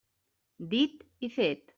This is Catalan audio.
Dit i fet.